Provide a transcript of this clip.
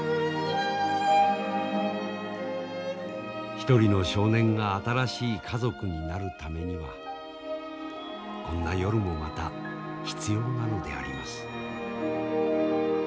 一人の少年が新しい家族になるためにはこんな夜もまた必要なのであります。